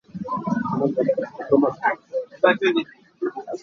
Bawibawi cu a it cang.